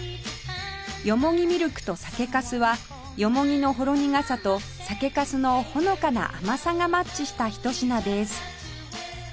よもぎみるくと酒粕はよもぎのほろ苦さと酒粕のほのかな甘さがマッチしたひと品です